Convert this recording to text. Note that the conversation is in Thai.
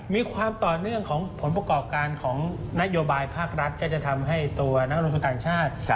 มีความต่อเนื่องของผลประกอบการของนโยบายภาครัฐก็จะทำให้ตัวนักลงทุนต่างชาติ